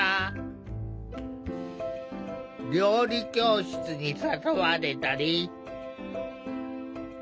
料理教室に誘われたり。